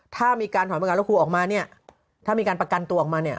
ถ้ามีการถอยประกันละครูออกมาถ้ามีการประกันตัวออกมา